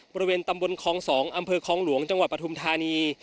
บริเวณตำบลคลอง๒อำเภอคลองหลวงจังหวัดปฐุมธานี